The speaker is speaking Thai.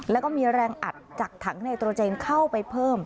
แล้วก็มีแรงอัดจากถังไนโตรเจนเข้าไปเพิ่ม